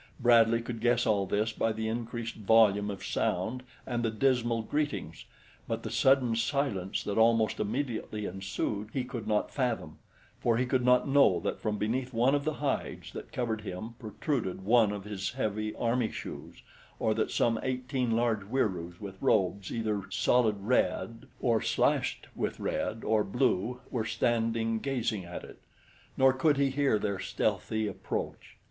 Bradley could guess all this by the increased volume of sound and the dismal greetings; but the sudden silence that almost immediately ensued he could not fathom, for he could not know that from beneath one of the hides that covered him protruded one of his heavy army shoes, or that some eighteen large Wieroos with robes either solid red or slashed with red or blue were standing gazing at it. Nor could he hear their stealthy approach.